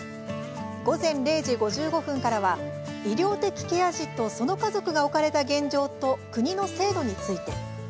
午前０時５５分からは医療的ケア児とその家族が置かれた現状と国の制度について。